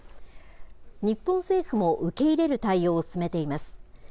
日本政府も受け入れる対応を進めています。